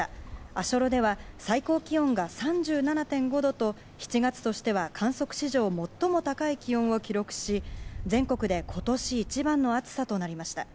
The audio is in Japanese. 足寄では最高気温が３７．５度と７月としては観測史上最も高い気温を記録し全国で今年一番の暑さとなりました。